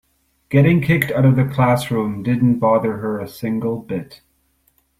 Getting kicked out of the classroom didn't bother her a single bit.